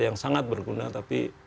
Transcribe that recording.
yang sangat berguna tapi